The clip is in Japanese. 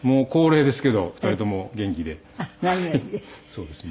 そうですね。